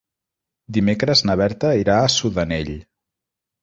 Dimecres na Berta irà a Sudanell.